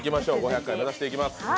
５００回目指していきます。